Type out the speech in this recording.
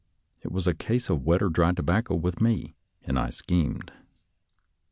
It was a case of wet or dry tobacco with me, and I schemed.